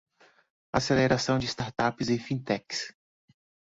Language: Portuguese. Aceleração de startups e fintechs